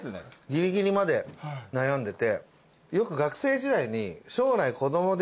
ギリギリまで悩んでて。